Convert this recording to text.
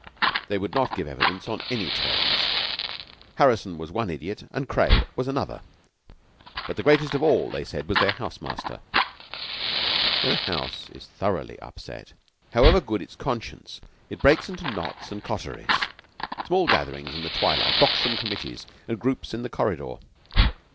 They would not give evidence on any terms. Harrison was one idiot, and Craye was another; but the greatest of all, they said, was their house master. When a house is thoroughly upset, however good its conscience, it breaks into knots and coteries small gatherings in the twilight, box room committees, and groups in the corridor.